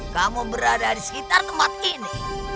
kamu berada di sekitar tempat ini